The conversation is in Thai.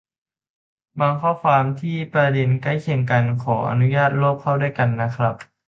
บางข้อความที่ประเด็นใกล้เคียงกันขออนุญาตรวบเข้าด้วยกันนะครับ